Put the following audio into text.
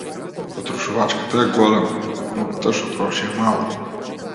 Потрошувачката е голема, но групата што троши е мала.